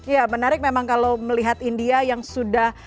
ya menarik memang kalau melihat india yang sudah